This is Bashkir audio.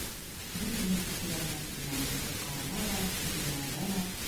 Бер кем дә соҡор янына килмәне, ҡотҡарырға ла, хөрөләргә лә.